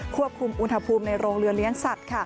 ควบคุมอุณหภูมิในโรงเรือเลี้ยงสัตว์